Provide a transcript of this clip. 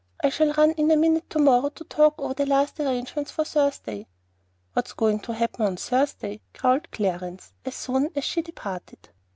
I shall run in a minute to morrow to talk over the last arrangements for Thursday." "What's going to happen on Thursday?" growled Clarence as soon as she had departed.